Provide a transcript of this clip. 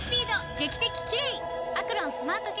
劇的キレイ！